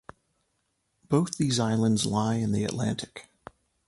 Both these islands lie in the Atlantic.